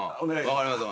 分かりました。